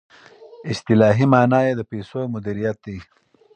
اصطلاحي معنی یې د پیسو مدیریت دی.